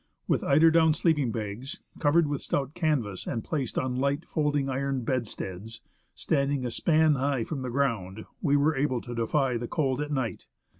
With eider down sleeping bags, covered with stout canvas, and placed on light folding iron bedsteads, standing a span high from the ground, we were able to defy the cold at night.